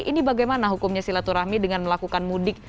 ini bagaimana hukumnya silaturahmi dengan melakukan mudik